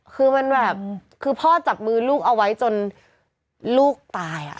คือพ่อจับมือลูกเอาไว้จนลูกตาย